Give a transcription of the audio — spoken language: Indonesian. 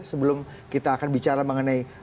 sebelum kita akan bicara mengenai